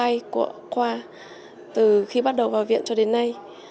khoa của khoa từ khi bắt đầu vào viện cho đến nay